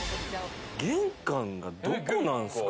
玄関が、どこなんすか？